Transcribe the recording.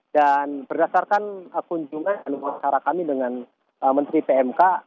dan berdasarkan kunjungan dan persyarat kami dengan menteri pmk